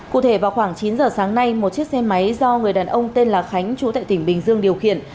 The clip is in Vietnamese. cụ thể vào khoảng chín giờ sáng nay một chiếc xe máy do người đàn ông tên là khánh chú tại tỉnh bình dương điều khiển